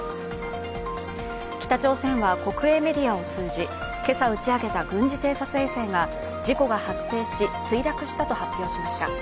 北朝鮮は国営メディアを通じ、今朝、打ち上げた軍事偵察衛星が、事故が発生し墜落したと発表しました。